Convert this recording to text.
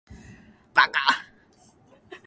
八嘎！